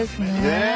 ねえ。